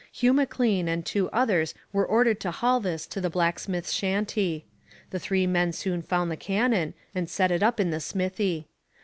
Hugh M'Lean and two others were ordered to haul this to the blacksmith's shanty. The three men soon found the cannon, and set it up in the smithy.